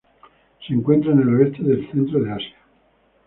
Se encuentra en el oeste de centro de Asia.